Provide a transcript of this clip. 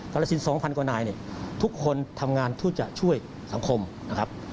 กรสิน๒๐๐กว่านายเนี่ยทุกคนทำงานเพื่อจะช่วยสังคมนะครับ